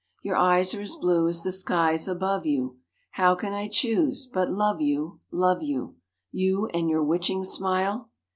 Your eyes are as blue as the skies above you; How can I choose but love you, love you, You and your witching smile?